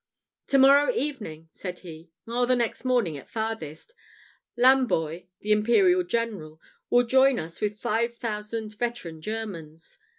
"To morrow evening," said he, "or the next morning at farthest, Lamboy, the Imperial General, will join us with five thousand veteran Germans.